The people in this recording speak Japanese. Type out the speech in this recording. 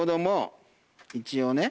一応ね。